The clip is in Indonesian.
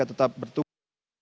jika tetap bertunggu